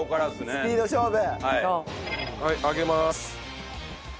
スピード勝負。